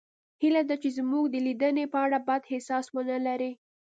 هیله ده چې زموږ د لیدنې په اړه بد احساس ونلرئ